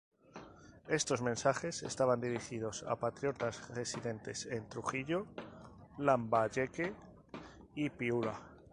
Estos mensajes estaban dirigidos a patriotas residentes en Trujillo, Lambayeque y Piura.